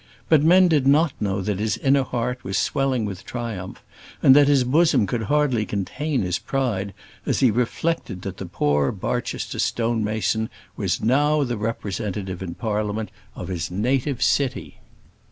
But men did not know that his inner heart was swelling with triumph, and that his bosom could hardly contain his pride as he reflected that the poor Barchester stone mason was now the representative in Parliament of his native city.